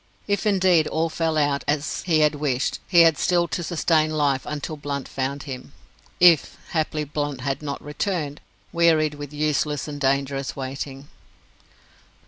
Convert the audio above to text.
If indeed all fell out as he had wished, he had still to sustain life until Blunt found him if haply Blunt had not returned, wearied with useless and dangerous waiting.